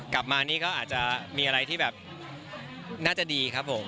กลับมานี่ก็อาจจะมีอะไรที่แบบน่าจะดีครับผม